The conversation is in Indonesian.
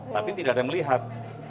tapi tidak ada yang melihat